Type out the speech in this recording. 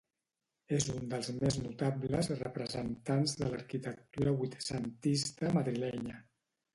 És un dels més notables representants de l'arquitectura vuitcentista madrilenya.